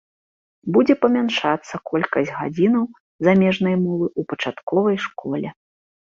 Будзе памяншацца колькасць гадзінаў замежнай мовы ў пачатковай школе.